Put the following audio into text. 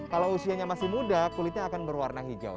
kalau usianya masih muda kulitnya akan berwarna hijau